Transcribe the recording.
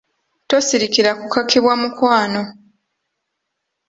Tosirikira kukakibwa mukwano.